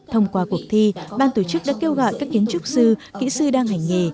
thông qua cuộc thi ban tổ chức đã kêu gọi các kiến trúc sư kỹ sư đang hành nghề